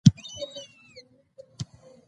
د کتاب ارزښت باید وپېژنو.